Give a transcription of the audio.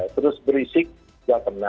terus berisik tidak kena